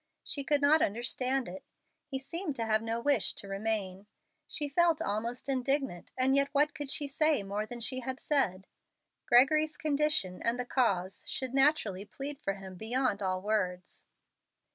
She could not understand it. He seemed to have no wish to remain. She felt almost indignant, and yet what could she say more than she had said? Gregory's condition, and the cause, should naturally plead for him beyond all words.